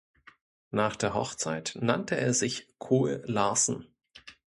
Nach der Hochzeit nannte er sich Kohl-Larsen.